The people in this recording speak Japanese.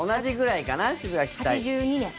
８２年。